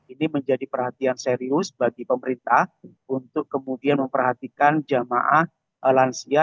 ini menjadi perhatian serius bagi pemerintah untuk kemudian memperhatikan jamaah lansia